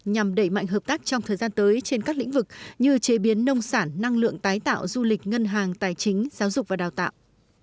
nhằm đẩy mạnh hợp tác trong thời gian tới trên các lĩnh vực như chế biến nông sản năng lượng tái tạo du lịch ngân hàng tài chính giáo dục và đào tạo